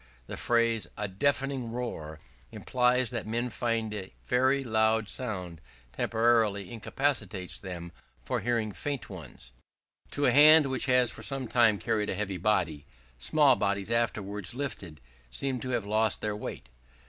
The phrase "a deafening roar," implies that men find a very loud sound temporarily incapacitates them for hearing faint ones. To a hand which has for some time carried a heavy body, small bodies afterwards lifted seem to have lost their weight.